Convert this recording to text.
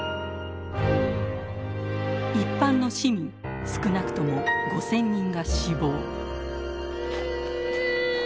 一般の市民少なくとも５，０００人が死亡。